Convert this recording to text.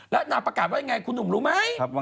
แล้วนางประกาศว่ายังไงคุณหนุ่มรู้ไหม